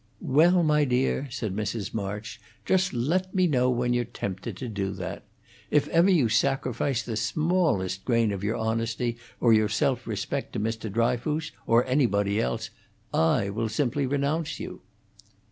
"Well, my dear," said Mrs. March, "just let me know when you're tempted to do that. If ever you sacrifice the smallest grain of your honesty or your self respect to Mr. Dryfoos, or anybody else, I will simply renounce you."